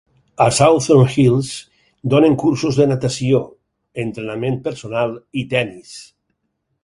A Southern Hills donen cursos de natació, entrenament personal i tenis.